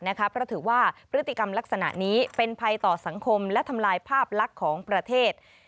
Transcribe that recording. เพราะถือว่าพฤติกรรมลักษณะนี้เป็นภัยต่อสังคมและทำลายภาพลักษณ์ของประเทศ